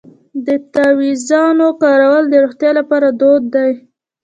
د تعویذونو کارول د روغتیا لپاره دود دی.